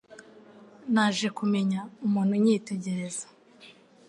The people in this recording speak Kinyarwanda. Naje kumenya umuntu unyitegereza.